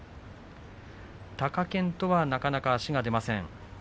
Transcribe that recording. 貴健斗はなかなか足が出ません。